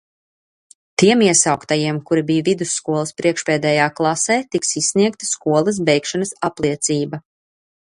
Tiem iesauktajiem, kuri bija vidusskolas priekšpēdējā klasē tiks izsniegta skolas beigšanas apliecība.